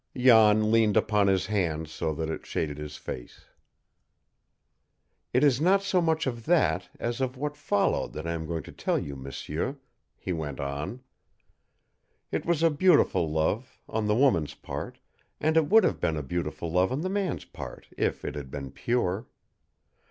Jan leaned upon his hand so that it shaded his face. "It is not so much of THAT as of what followed that I am going to tell you, m'sieur," he went on. "It was a beautiful love on the woman's part, and it would have been a beautiful love on the man's part if it had been pure.